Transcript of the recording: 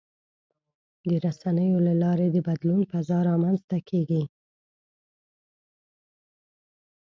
د رسنیو له لارې د بدلون فضا رامنځته کېږي.